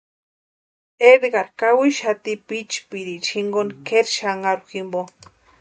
Edgar kawixati pʼichpiricha jinkoni kʼeri xanharhu jimpo.